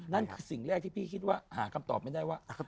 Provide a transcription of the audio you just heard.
นั่นคือสิ่งแรกที่พี่คิดว่าหาคำตอบไม่ได้ว่า